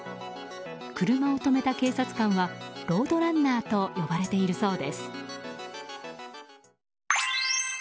車を止めた警察官はロードランナーと呼ばれているそうです。